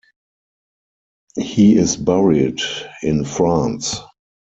He is buried in France.